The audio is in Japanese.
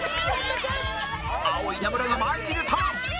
青稲村が前に出た！